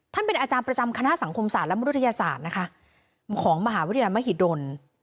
เป็นอาจารย์ประจำคณะสังคมศาสตร์และมนุษยศาสตร์นะคะของมหาวิทยาลัยมหิดล